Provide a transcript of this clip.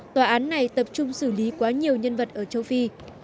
tòa án này tập trung xử lý quá nhiều nhân vật ở châu phi